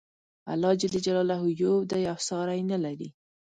الله ج یو دی او ساری نه لري.